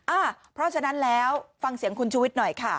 เพราะฉะนั้นแล้วฟังเสียงคุณชูวิทย์หน่อยค่ะ